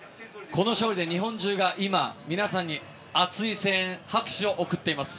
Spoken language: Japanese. この勝利で日本中が皆さんに熱い声援拍手を送っています。